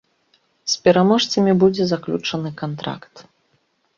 З пераможцамі будзе заключаны кантракт.